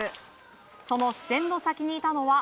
その視線の先にいたのは。